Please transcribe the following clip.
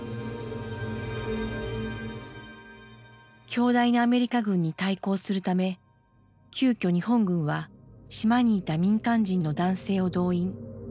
強大なアメリカ軍に対抗するため急きょ日本軍は島にいた民間人の男性を動員。